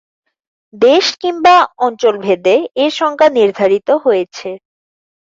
দেশ কিংবা অঞ্চলভেদে এ সংজ্ঞা নির্ধারিত হয়েছে।